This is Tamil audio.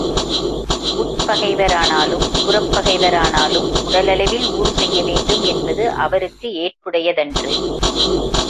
உட்பகைவரானாலும் புறப் பகைவரானாலும் உடல் அளவில் ஊறு செய்ய வேண்டும் என்பது அவருக்கு ஏற்புடையதன்று.